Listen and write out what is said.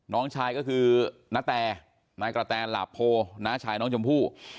น้องชายก็คือนาแตนายกระแตนหลาโพน้าชายน้องชมพู่